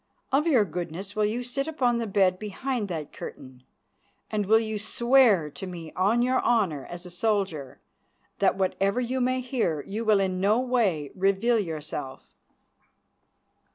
Of your goodness will you sit upon the bed behind that curtain, and will you swear to me on your honour as a soldier that whatever you may hear you will in no way reveal yourself?"